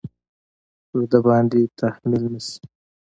پر ده باندې تحمیل نه شي.